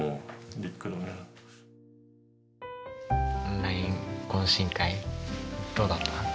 オンライン懇親会どうだった？